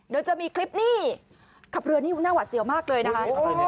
เดี๋ยวจะมีคลิปนี้ขับเรือนี่น่าหวัดเสียวมากเลยนะคะ